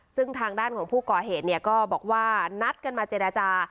ซึ่งทางด้านของผู้ก่อเหตุเนี่ยก็บอกว่านัดกันมาเจรจา